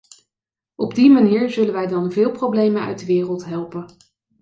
Op die manier zullen wij dan veel problemen uit de wereld helpen.